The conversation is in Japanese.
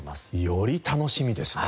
より楽しみですね。